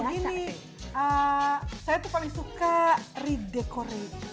jadi gak begini saya itu paling suka redecore